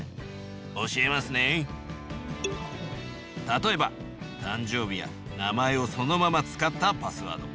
例えば誕生日や名前をそのまま使ったパスワード。